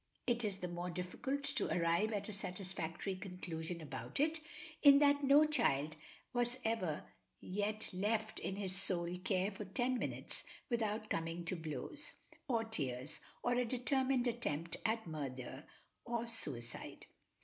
It is the more difficult to arrive at a satisfactory conclusion about it, in that no child was ever yet left in his sole care for ten minutes without coming to blows, or tears, or a determined attempt at murder or suicide.